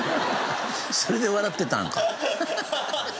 それで笑ってたんか。